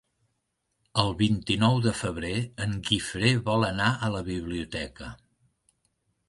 El vint-i-nou de febrer en Guifré vol anar a la biblioteca.